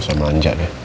masa belanja dia